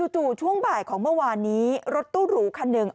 จู่ช่วงบ่ายของเมื่อวานนี้รถตู้หรูคันหนึ่ง